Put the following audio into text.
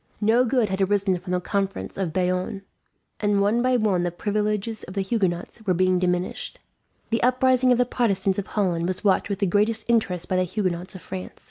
No good had arisen from the Conference of Bayonne, and one by one the privileges of the Huguenots were being diminished. The uprising of the Protestants of Holland was watched with the greatest interest by the Huguenots of France.